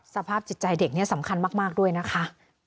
สภาพจิตใจเด็กนี่สำคัญมากด้วยนะคะ